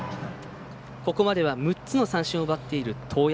ここまでは６つの三振を奪っている當山。